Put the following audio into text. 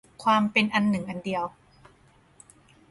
ความเป็นอันหนึ่งอันเดียว